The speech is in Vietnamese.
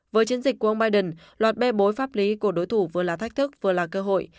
với chiến dịch của ông biden loạt bê bối pháp lý của đối thủ vừa là thách thức vừa là cơ hội